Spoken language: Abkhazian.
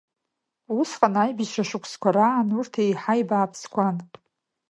Усҟан, аибашьра шықәсқәа раан, урҭ еиҳа ибааԥсқәан.